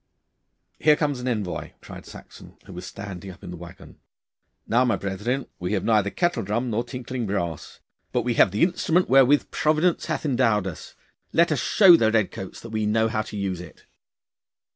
'Here comes an envoy,' cried Saxon, who was standing up in the waggon. 'Now, my brethren, we have neither kettle drum nor tinkling brass, but we have the instrument wherewith Providence hath endowed us. Let us show the redcoats that we know how to use it.